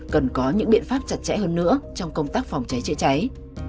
cần có những biện pháp chặt chẽ hơn nữa trong công tác phòng cháy chữa cháy